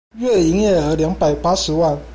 月營業額兩百八十萬